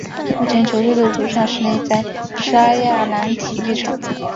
目前球队的主场设立在莎亚南体育场。